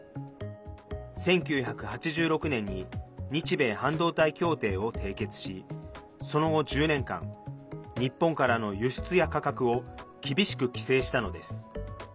１９８６年に日米半導体協定を締結しその後１０年間日本からの輸出や価格を厳しく規制したのです。